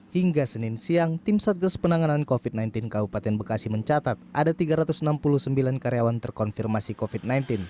hingga senin siang tim satgas penanganan covid sembilan belas kabupaten bekasi mencatat ada tiga ratus enam puluh sembilan karyawan terkonfirmasi covid sembilan belas